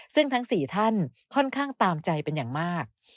ซึ่งทั้ง๔ท่านค่อนข้างตามใจเป็นอย่างมาก